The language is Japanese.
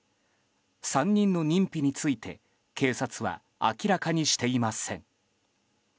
３人の認否について警察は明らかにしていません。